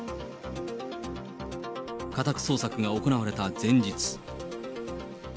家宅捜索が行われた前日。